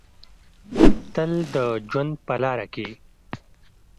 تل د ژوند په لاره کې